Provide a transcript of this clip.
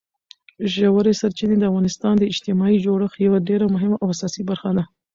ژورې سرچینې د افغانستان د اجتماعي جوړښت یوه ډېره مهمه او اساسي برخه ده.